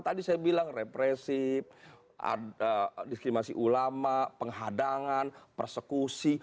tadi saya bilang represif diskrimasi ulama penghadangan persekusi